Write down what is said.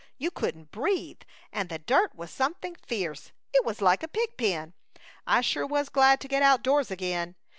You couldn't breathe, and the dirt was something fierce. It was like a pigpen. I sure was glad to get outdoors again.